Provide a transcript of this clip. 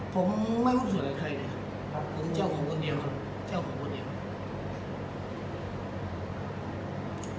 ผมไม่รู้จักหลายใครนะครับผมเป็นเจ้าของคนเดียวครับ